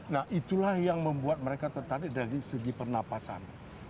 nah itulah yang membuat mereka tertarik dari segi pernapasan